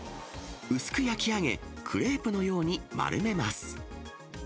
薄く焼き上げ、クレープのように丸めます。